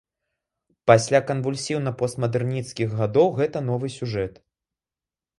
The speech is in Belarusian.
Пасля канвульсіўна-постмадэрнісцкіх гадоў гэта новы сюжэт.